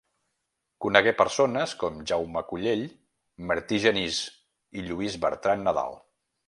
Conegué persones com Jaume Collell, Martí Genís i Lluís Bertran Nadal.